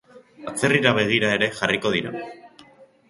Atzerrira begira ere jarriko dira.